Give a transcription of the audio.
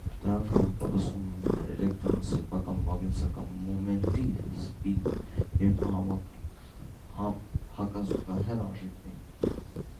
Դրանք համապատասխանում են էլեկտրոնի սեփական մագնիսական մոմենտի (սպին) երկու հակազուգահեռ արժեքների։